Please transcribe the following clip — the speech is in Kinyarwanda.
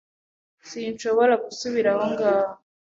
Sinshobora gusubira aho ngaho.